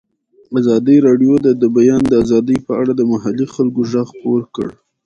ازادي راډیو د د بیان آزادي په اړه د محلي خلکو غږ خپور کړی.